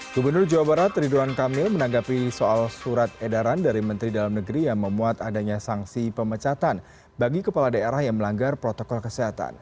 gubernur jawa barat ridwan kamil menanggapi soal surat edaran dari menteri dalam negeri yang memuat adanya sanksi pemecatan bagi kepala daerah yang melanggar protokol kesehatan